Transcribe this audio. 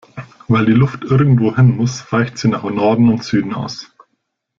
Weil die Luft irgendwo hin muss, weicht sie nach Norden und Süden aus.